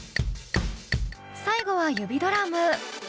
最後は指ドラム！